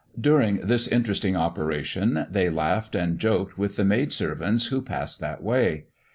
During this interesting operation, they laughed and joked with the maid servants who passed that way.